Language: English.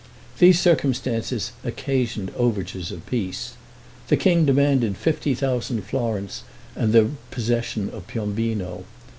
These circumstances occasioned overtures of peace. The king demanded fifty thousand florins, and the possession of Piombino.